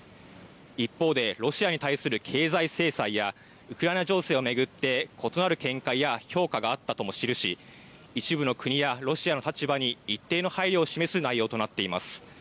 一方でロシアに対する経済制裁やウクライナ情勢を巡って異なる見解や評価があったとも記し一部の国やロシアの立場に一定の配慮を示す内容となっています。